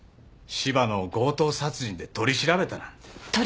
柴野を強盗殺人で取り調べたなんて。